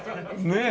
ねえ。